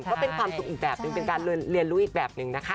ก็เป็นความสุขอีกแบบหนึ่งเป็นการเรียนรู้อีกแบบหนึ่งนะคะ